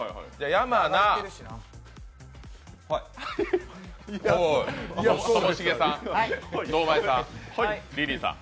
山名、ともしげさん、堂前さん、リリーさん。